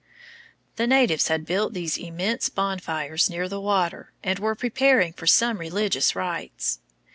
The natives had built these immense bonfires near the water and were preparing for some religious rites.